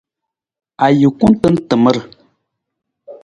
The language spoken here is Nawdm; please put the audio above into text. Ajukun tan tamar.